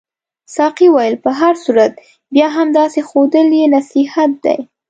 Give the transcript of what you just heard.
ساقي وویل په هر صورت بیا هم داسې ښودل یې نصیحت دی.